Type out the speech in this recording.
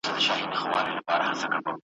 پر کشپ باندي شېبې نه تېرېدلې `